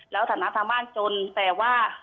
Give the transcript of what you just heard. แล้วฐานะทางบ้านจนแต่ว่า